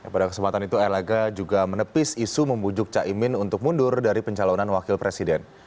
pada kesempatan itu erlangga juga menepis isu membujuk caimin untuk mundur dari pencalonan wakil presiden